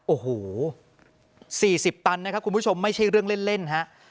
โอ้โห๔๐ตันนะครับคุณผู้ชมไม่ใช่เรื่องเล่นฮะ